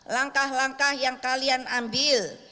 langkah langkah yang kalian ambil